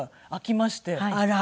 あら。